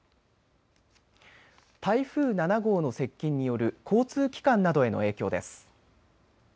台風７号の接近による交通機関などへの影響です。